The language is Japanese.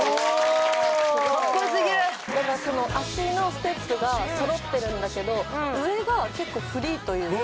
この足のステップがそろってるんだけど上が結構フリーというか。